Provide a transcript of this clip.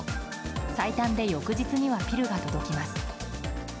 最短で翌日にはピルが届きます。